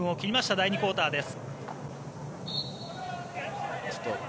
第２クオーターです。